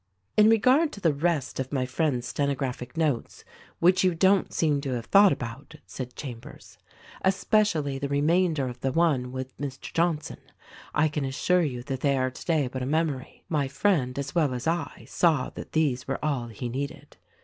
"In regard to the rest of my friend's stenographic notes — which you don't seem to have thought about —" said Chambers, "especially the remainder of the one with Mr. Johnson, I can assure you that they are today but a memory. My friend, as well as I, saw that these were all he needed."